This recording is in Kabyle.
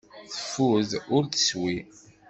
Teffud ur teswi.